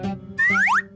jangan terlalu banyak